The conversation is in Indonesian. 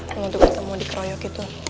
waktu kita mau dikeroyok itu